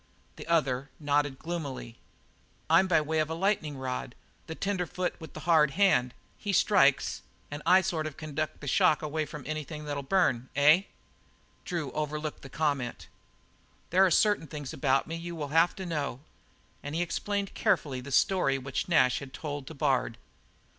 The other nodded gloomily. "I'm by way of a lightning rod. This tenderfoot with the hard hand, he strikes and I sort of conduct the shock away from anything that'll burn, eh?" Drew overlooked the comment. "There are certain things about me you will have to know." And he explained carefully the story which Nash had told to Bard.